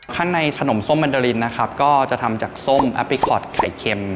ข้างในขนมส้มมันเดอรินนะครับก็จะทำจากส้มแอปพลิคอตไข่เค็ม